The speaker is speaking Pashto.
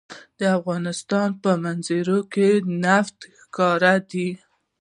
د افغانستان په منظره کې نفت ښکاره دي.